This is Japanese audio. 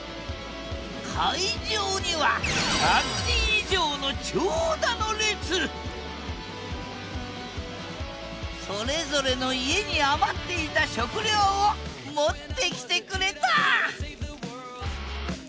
会場にはそれぞれの家に余っていた食料を持ってきてくれた！